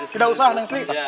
tidak usah neng sri